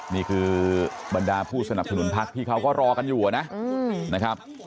นี่คือบรรดาผู้สนับสนุนพักที่เขาก็รอกันอยู่นะครับ